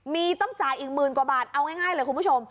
มีต้องจ่ายอีกหมื่นกว่าบาทเอาง่ายเลยคุณผู้ชม